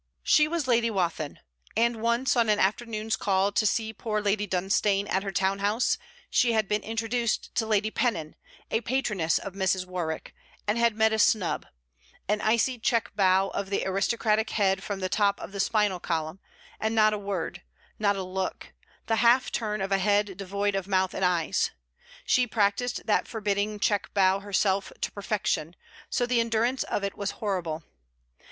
She was Lady Wathin, and once on an afternoon's call to see poor Lady Dunstane at her town house, she had been introduced to Lady Pennon, a patroness of Mrs. Warwick, and had met a snub an icy check bow of the aristocratic head from the top of the spinal column, and not a word, not a look; the half turn of a head devoid of mouth and eyes! She practised that forbidding checkbow herself to perfection, so the endurance of it was horrible.